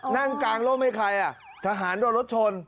นั่งกางรมให้ใครทหารรถชน